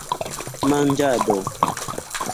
manĝado